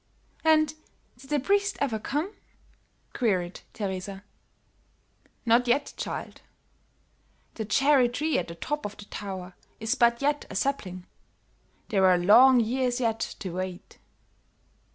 "And did the priest ever come?" queried Teresa. "Not yet, child; the cherry tree at the top of the tower is but yet a sapling; there are long years yet to wait."